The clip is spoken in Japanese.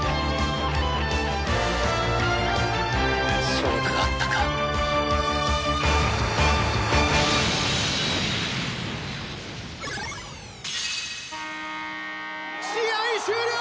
勝負あったか試合終了！